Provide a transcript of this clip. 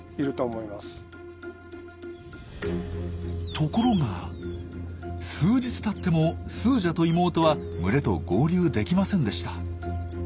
ところが数日たってもスージャと妹は群れと合流できませんでした。